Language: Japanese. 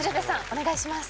お願いします